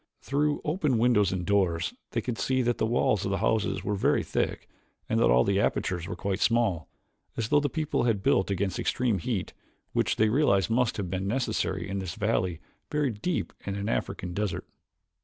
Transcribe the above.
Through open windows and doors they could see that the walls of the houses were very thick and that all apertures were quite small, as though the people had built against extreme heat, which they realized must have been necessary in this valley buried deep in an African desert.